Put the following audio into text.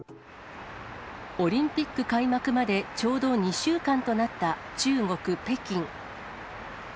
オリンピック開幕まで、ちょうど２週間となった中国・北京。